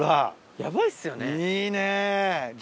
ヤバいっすよね。